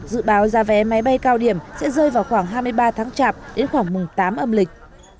dự báo giá vé máy bay cao điểm sẽ rơi vào khoảng hai mươi ba tháng chạp đến khoảng mùng tám âm lịch